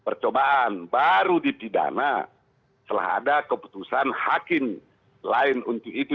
percobaan baru dipidana setelah ada keputusan hakim lain untuk itu